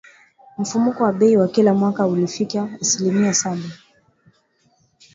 Mfumuko wa bei wa kila mwaka ulifikia asilimia saba